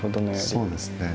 そうですね。